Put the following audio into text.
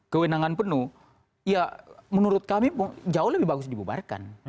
kewenangan penuh ya menurut kami jauh lebih bagus dibubarkan